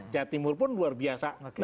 jatimur pun luar biasa